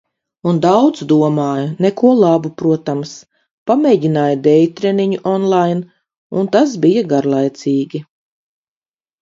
Un daudz domāju. Neko labu, protams. Pamēģināju deju treniņu online un tas bija garlaicīgi.